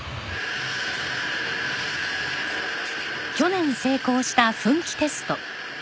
去年成功した噴気テスト。